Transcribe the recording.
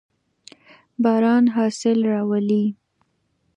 باران حاصل راولي.